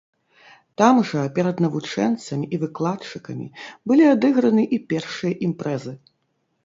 Там жа перад навучэнцамі і выкладчыкамі былі адыграны і першыя імпрэзы.